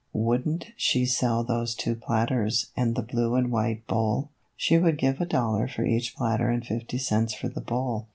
Would n't she sell those two platters and the blue and white bowl ? She would give a dollar for each platter and fifty cents for the bowl.